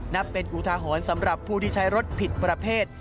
นับเป็นอุทาหรณ์สำหรับผู้ที่ใช้รถผิดประเภท